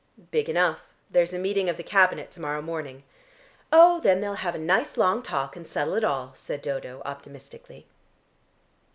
"Big enough. There's a meeting of the Cabinet to morrow morning." "Oh, then they'll have a nice long talk and settle it all," said Dodo optimistically.